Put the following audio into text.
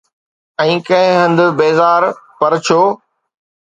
۽ ڪنهن هنڌ بيزار، پر ڇو؟